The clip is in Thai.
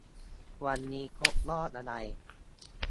วันนี้ครบรอบอะไร